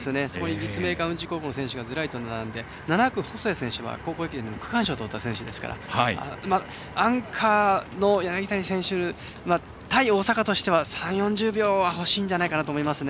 立命館宇治高校の選手がずらりと並んで７区の細谷選手は高校駅伝で区間賞をとった選手ですからアンカーの選手は対大阪としては３０４０秒は欲しいと思います。